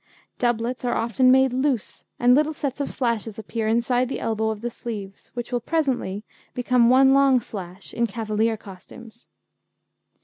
Doublets are often made loose, and little sets of slashes appear inside the elbow of the sleeves, which will presently become one long slash in Cavalier costumes.